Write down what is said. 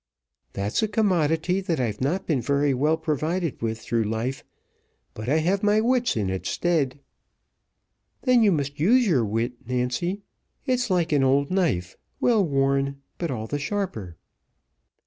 "That's a commodity that I've not been very well provided with through life; but I have my wits in its stead." "Then you must use your wit, Nancy." "It's like an old knife, well worn, but all the sharper."